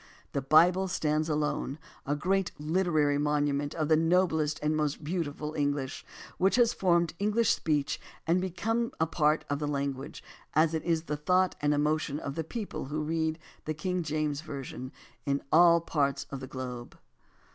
The Bible stands alone, a great literary mon ument of the noblest and the most beautiful Eng lish, which has formed English speech and become a 236 AS TO ANTHOLOGIES part of the language as it is of the thought and emotion of the people who read the "King James" version in all parts of the globe.